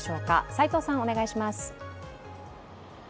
齋藤さん、お願いします。